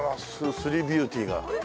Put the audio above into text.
スリービューティーが。